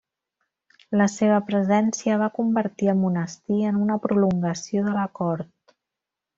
La seva presència va convertir el monestir en una prolongació de la cort.